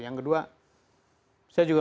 yang kedua saya juga